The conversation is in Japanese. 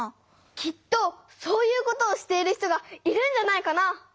きっとそういうことをしている人がいるんじゃないかな？